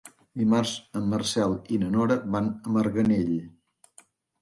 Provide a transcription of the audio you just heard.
Dimarts en Marcel i na Nora van a Marganell.